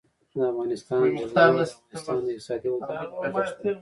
د افغانستان جلکو د افغانستان د اقتصادي ودې لپاره ارزښت لري.